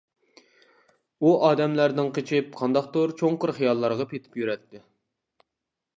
ئۇ ئادەملەردىن قېچىپ قانداقتۇر چوڭقۇر خىياللارغا پېتىپ يۈرەتتى.